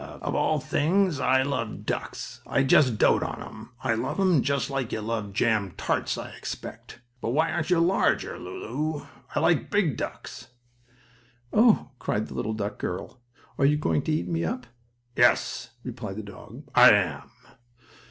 Of all things I love ducks! I just dote on 'em! I love 'em just like you love jam tarts, I expect. But why aren't you larger, Lulu? I like big ducks." "Oh!" cried the little duck girl, "are you going to eat me up?" "Yes," replied the dog, "I am."